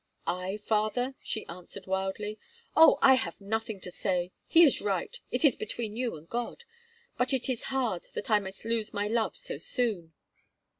"I, father?" she answered, wildly. "Oh! I have nothing to say. He is right. It is between you and God; but it is hard that I must lose my love so soon."